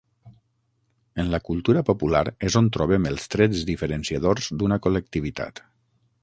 En la cultura popular és on trobem els trets diferenciadors d’una col·lectivitat.